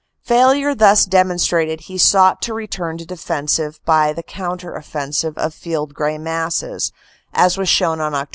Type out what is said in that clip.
Failure thus demonstrated he sought to return to defense by the counter offensive of field gray masses, as was shown on Oct.